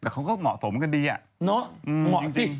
เขาก็เหมาะสมกันดีอะจริงเนอะเหมาะสิ